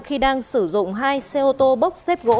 khi đang sử dụng hai xe ô tô bốc xếp gỗ